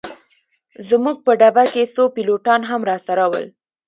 زموږ په ډبه کي څو پیلوټان هم راسره ول.